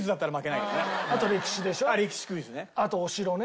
あとお城ね。